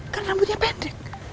kan rambutnya pendek